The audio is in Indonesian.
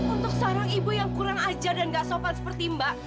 untuk seorang ibu yang kurang ajar dan gak sopan seperti mbak